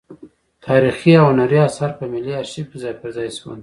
تاریخي او هنري اثار په ملي ارشیف کې ځای پر ځای شول.